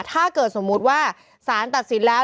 ถ้าเกิดสมมุติว่าสารตัดสินแล้ว